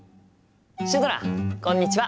シュドラこんにちは！